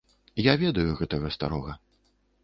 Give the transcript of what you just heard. Я ведаю гэтага старога.